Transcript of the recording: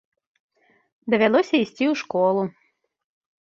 Давялося ісці ў школу.